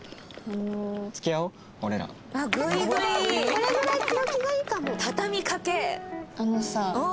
これぐらい強気がいいかも。